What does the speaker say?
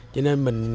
cho nên mình